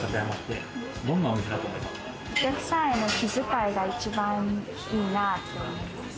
お客さんへの気遣いが一番いいなと思います。